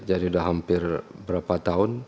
jadi sudah hampir berapa tahun